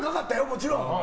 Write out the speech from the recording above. もちろん。